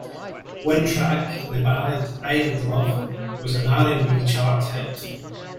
One track, the ballad "I Need Love" was an R and B chart hit.